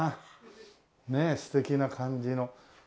ねえ素敵な感じの。